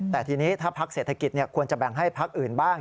แต่ทีนี้ถ้าพักเศรษฐกิจควรจะแบ่งให้พักอื่นบ้าง